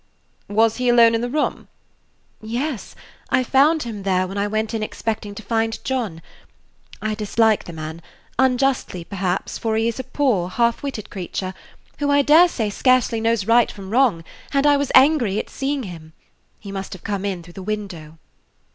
"Was he alone in the room?" "Yes; I found him there when I went in expecting to find John. I dislike the man unjustly, perhaps, for he is a poor, half witted creature, who, I dare say, scarcely knows right from wrong, and I was angry at seeing him. He must have come in through the window."